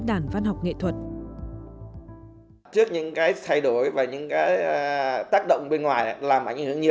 trước những cái thay đổi và những cái tác động bên ngoài